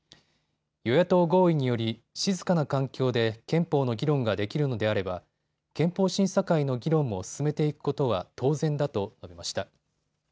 与野党合意により、静かな環境で憲法の議論ができるのであれば憲法審査会の議論も進めていくことは当然だと述べました。